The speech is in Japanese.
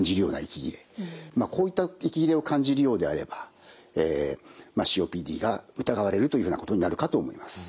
こういった息切れを感じるようであればＣＯＰＤが疑われるというふうなことになるかと思います。